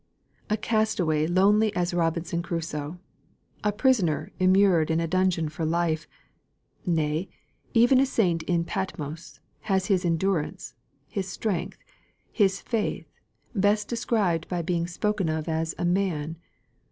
A cast away lonely as Robinson Crusoe a prisoner immured in a dungeon for life nay, even a saint in Patmos, has his endurance, his strength, his faith, best described by being spoken of as 'a man.